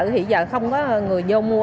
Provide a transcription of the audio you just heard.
thì giờ không có người vô mua